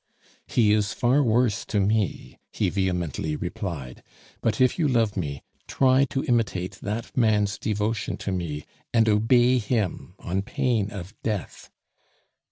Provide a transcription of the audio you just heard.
"He is far worse to me!" he vehemently replied. "But if you love me, try to imitate that man's devotion to me, and obey him on pain of death!